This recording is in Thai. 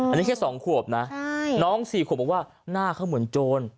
อันนี้แค่๒ขวบนะน้อง๔ขวบบอกว่าหน้าเขาเหมือนโจร